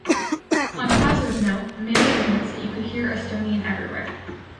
On a positive note Maily admits that you could hear Estonian everywhere.